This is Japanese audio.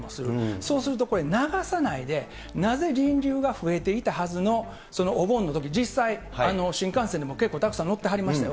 そうするとこれ、流さないで、なぜ人流が増えていたはずのお盆のとき、実際、新幹線でも結構たくさん乗ってはりましたよ。